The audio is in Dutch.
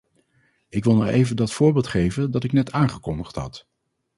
Ik wil nog even dat voorbeeld geven dat ik net aangekondigd had.